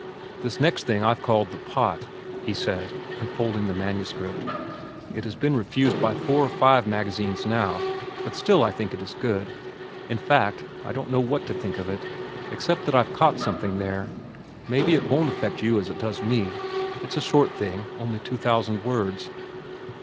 "This next thing I've called 'The Pot'," he said, unfolding the manuscript. "It has been refused by four or five magazines now, but still I think it is good. In fact, I don't know what to think of it, except that I've caught something there. Maybe it won't affect you as it does me. It's a short thing—only two thousand words."